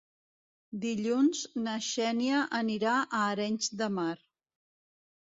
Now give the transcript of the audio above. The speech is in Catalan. Dilluns na Xènia anirà a Arenys de Mar.